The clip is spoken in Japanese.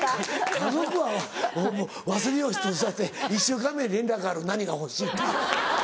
家族は忘れようとしたって１週間前に連絡がある何が欲しいって。